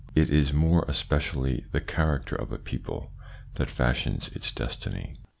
It is more especially the character of a people that fashions its destiny.